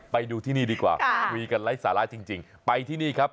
ไปดูที่นี่ดีกว่าคุยกันไร้สาระจริงไปที่นี่ครับ